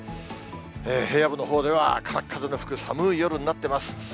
平野部のほうではからっ風の吹く寒い夜になってます。